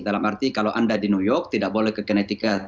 dalam arti kalau anda di new york tidak boleh ke connectical